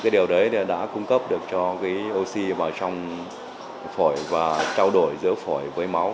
điều đấy đã cung cấp được cho oxy vào trong phổi và trao đổi giữa phổi với máu